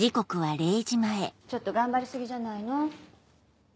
ちょっと頑張り過ぎじゃないの？